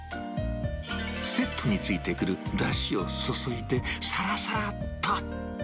セットについてくるだしを注いで、さらさらっと。